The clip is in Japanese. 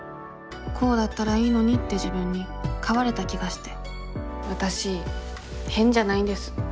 こうだったらいいのにって自分に変われた気がしてわたし変じゃないんです。